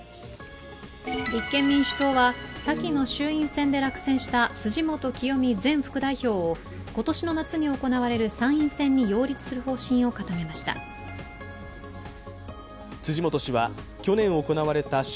立憲民主党は、先の衆院選で落選した辻元清美前副代表を今年の夏に行われる参院選に擁立する方針を固めました。